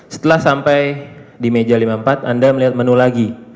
setelah sampai di meja lima puluh empat anda melihat menu lagi